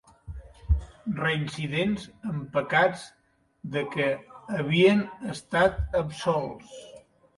Reincidents en pecats de què havien estat absolts.